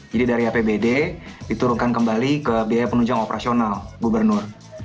jadi dari apbd diturunkan kembali ke biaya penunjang operasional gubernur